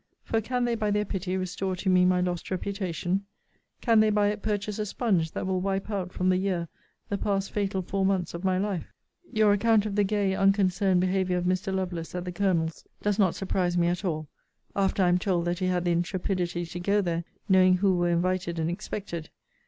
for can they by their pity restore to me my lost reputation? Can they by it purchase a sponge that will wipe out from the year the past fatal four months of my life?* * She takes in the time that she appointed to meet Mr. Lovelace. Your account of the gay, unconcerned behaviour of Mr. Lovelace, at the Colonel's, does not surprise me at all, after I am told that he had the intrepidity to go there, knowing who were invited and expected.